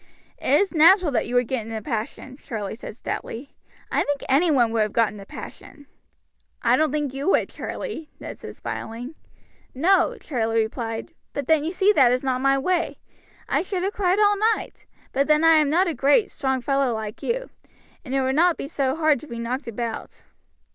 "It was natural that you should get in a passion," Charlie said stoutly. "I think any one would have got in a passion." "I don't think you would, Charlie," Ned said, smiling. "No," Charlie replied; "but then you see that is not my way. I should have cried all night; but then I am not a great, strong fellow like you, and it would not be so hard to be knocked about."